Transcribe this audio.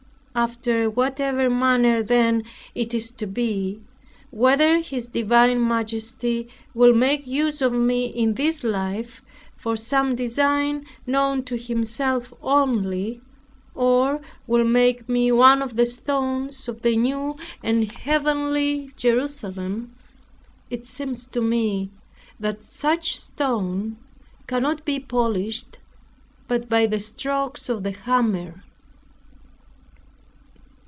After whatever manner then it is to be, whether His divine Majesty will make use of me in this life, for some design known to himself only, or will make me one of the stones of the new and heavenly Jerusalem, it seems to me that such stone cannot be polished, but by the strokes of the hammer.